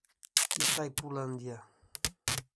Itaipulândia